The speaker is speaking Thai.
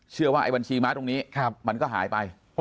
เชื่อว่าบัญชีมาตรงนี้มันก็หายไป